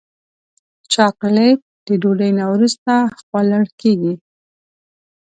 چاکلېټ د ډوډۍ نه وروسته خوړل کېږي.